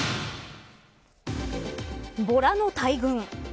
ボラの大群。